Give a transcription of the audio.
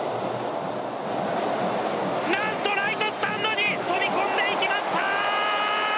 何とライトスタンドに飛び込んでいきました！